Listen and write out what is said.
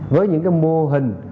với những cái mô hình